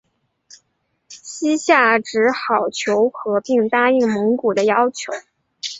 西夏只好求和并答应蒙古的要求。